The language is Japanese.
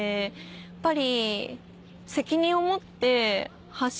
やっぱり。